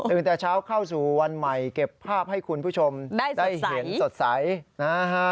แต่เช้าเข้าสู่วันใหม่เก็บภาพให้คุณผู้ชมได้เห็นสดใสนะฮะ